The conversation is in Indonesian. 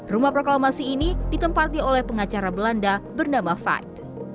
rumah proklamasi ini ditempati oleh pengacara belanda bernama fight